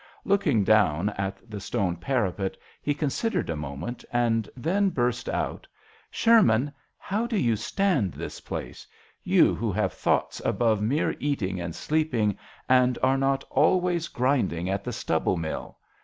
Looking down at the stone parapet he considered a moment and then burst out " Sherman, how do you stand this place you who have thoughts above mere eating and sleeping and are not always grind JOHN SHERMAN. II ing at the stubble mill?